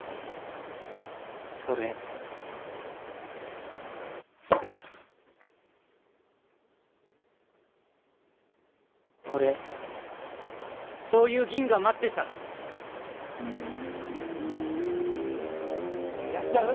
それ俺そういうギンガ待ってたやっちゃう？